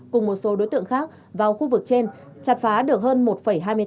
cùng một số đối tượng khác vào khu vực trên chặt phá được hơn một ba triệu đồng